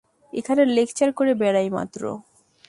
এখানে লেকচার করে বেড়াই মাত্র।